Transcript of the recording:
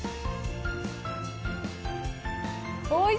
おいしい！